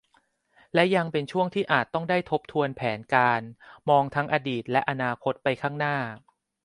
และยังเป็นช่วงที่อาจต้องได้ทบทวนแผนการ มองทั้งอดีตและอนาคตไปข้างหน้า